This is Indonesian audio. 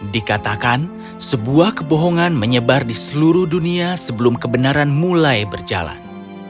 dikatakan sebuah kebohongan menyebar di seluruh dunia sebelum kebenaran mulai berjalan